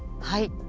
はい。